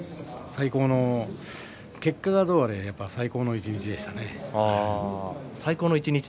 最高の、結果がどうあれ最高の一日でしたね。